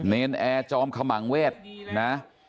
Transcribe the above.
เนรนแอร์จอมขมังเวทนะ